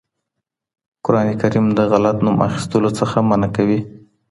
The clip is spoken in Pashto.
قرآنکريم د غلط نوم اخيستلو څخه منع کوي.